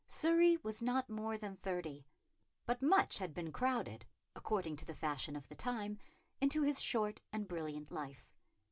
Surrey was not more than thirty. But much had been crowded, according to the fashion of the time, into his short and brilliant life.